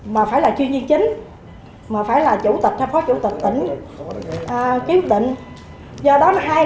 mà phải là chuyên nhân chính mà phải là chủ tịch hay phó chủ tịch tỉnh